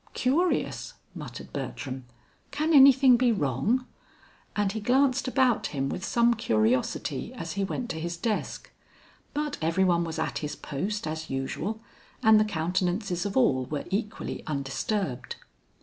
"Curious!" muttered Bertram. "Can anything be wrong?" And he glanced about him with some curiosity as he went to his desk. But every one was at his post as usual and the countenances of all were equally undisturbed.